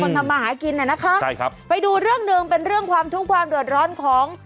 ทำมาหากินน่ะนะคะใช่ครับไปดูเรื่องหนึ่งเป็นเรื่องความทุกข์ความเดือดร้อนของ